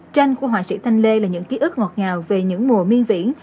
tranh của họa sĩ thanh lê là những ký ức ngọt ngào về những mùa miên viễn